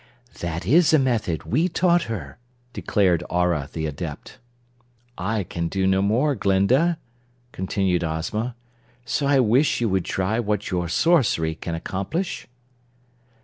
"That is a method we taught her," declared Aurah the Adept. "I can do no more, Glinda," continued Ozma, "so I wish you would try what your sorcery can accomplish."